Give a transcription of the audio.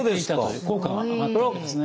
効果が上がったわけですね。